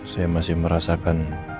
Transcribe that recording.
saya masih merasakan